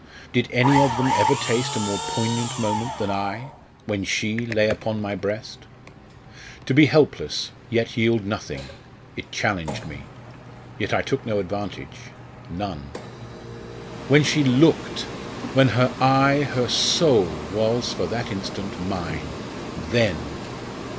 Did any of them ever taste a more poignant moment than I when she lay upon my breast? To be helpless yet yield nothing it challenged me! Yet I took no advantage none. When she looked when her eye, her soul, was, for that instant, mine, then!